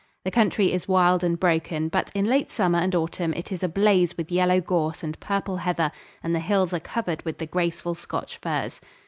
The country is wild and broken, but in late summer and autumn it is ablaze with yellow gorse and purple heather and the hills are covered with the graceful Scotch firs.